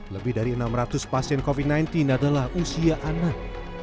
lebih dari enam ratus pasien covid sembilan belas adalah usia anak